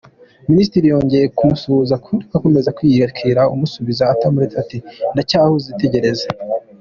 Minisitiri yongeye kumusuhuza undi akomeza kwiyandikira, amusubiza atamureba ati “Ndacyahuze tegereza”.